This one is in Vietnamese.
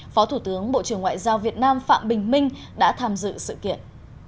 phó thủ tướng bộ trưởng ngoại giao việt nam phạm bình minh đã tham dự sự kiện